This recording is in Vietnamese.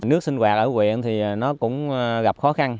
nước sinh hoạt ở quyện thì nó cũng gặp khó khăn